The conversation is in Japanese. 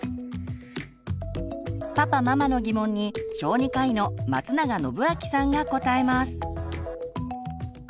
パパママの疑問に小児科医の松永展明さんが答えます。